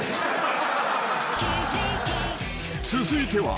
［続いては］